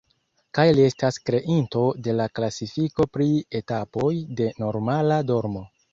Kaj li estas kreinto de la klasifiko pri etapoj de normala dormo.